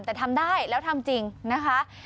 แต่ทำได้แล้วทำจริงนะคะ